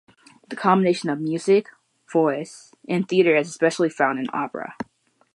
The combination of music, voice and theater is especially found in opera.